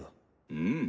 うん。